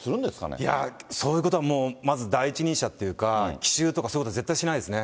いやー、そういうことはもう、まず第一人者というか、奇襲とかそういうことは絶対しないですね。